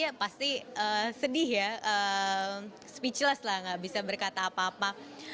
ya pasti sedih ya speechless lah nggak bisa berkata apa apa